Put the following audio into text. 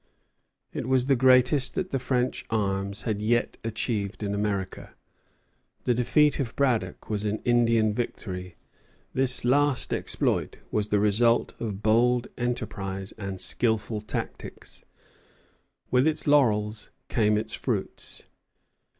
It was the greatest that the French arms had yet achieved in America. The defeat of Braddock was an Indian victory; this last exploit was the result of bold enterprise and skilful tactics. With its laurels came its fruits.